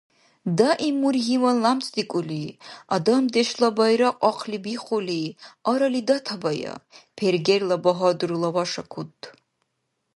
Даим мургьиван лямцӀдикӀули, адамдешла байрахъ ахъли бихули арали датабая, пергерла багьадур лавашакунт.